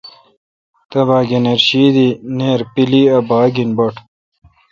تبا گنیر شی دی نییرپیلی ا باگ اے°بٹ۔